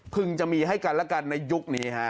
จะมีให้กันแล้วกันในยุคนี้ฮะ